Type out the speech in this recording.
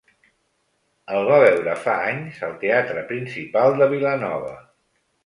El va veure fa anys al Teatre Principal de Vilanova.